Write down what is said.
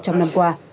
trong năm qua